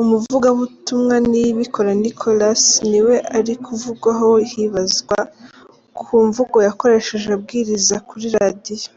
Umuvugabutumwa Niyibikora Nicolas ni we ari kuvugwaho hibazwa ku mvugo yakoresheje abwiriza kuri radiyo.